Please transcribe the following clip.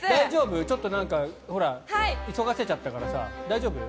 ちょっと急がせちゃったからさ、大丈夫？